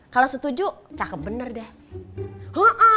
kalau setuju cakep bener deh